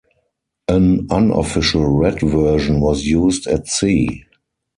An unofficial red version was used at sea.